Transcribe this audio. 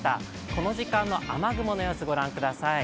この時間の雨雲の様子を御覧ください。